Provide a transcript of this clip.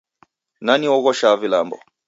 Nani uoghoshaa vilambo?